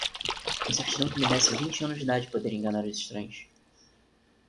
Uma certidão que me desse vinte anos de idade poderia enganar os estranhos